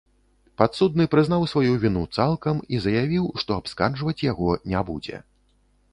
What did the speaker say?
Падсудны прызнаў сваю віну цалкам і заявіў, што абскарджваць яго не будзе.